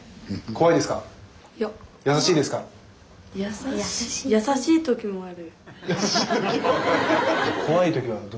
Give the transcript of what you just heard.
いや優しい時もある。